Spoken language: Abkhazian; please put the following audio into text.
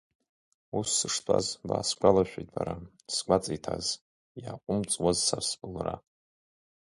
Ус сыштәаз, баасгәалашәеит бара, сгәаҵа иҭаз, иаҟәымҵуаз са сбылра.